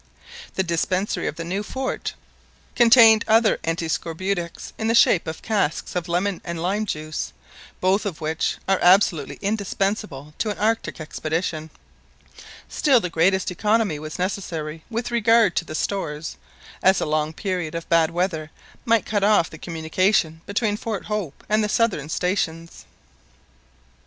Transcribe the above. The dispensary of the new fort contained other antiscorbutics, in the shape of casks of lemon and lime juice, both of which are absolutely indispensable to an Arctic expedition. Still the greatest economy was necessary with regard to the stores, as a long period of bad weather might cut off the communication between Fort Hope and the southern stations.